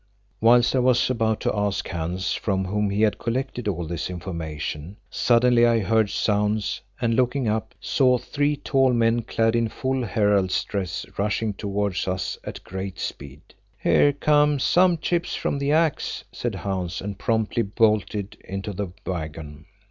Whilst I was about to ask Hans from whom he had collected all this information, suddenly I heard sounds, and looking up, saw three tall men clad in full herald's dress rushing towards us at great speed. "Here come some chips from the Axe," said Hans, and promptly bolted into the waggon.